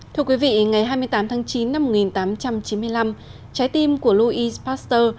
thưa quý vị ngày hai mươi tám tháng chín năm một nghìn tám trăm chín mươi năm trái tim của louis pasteur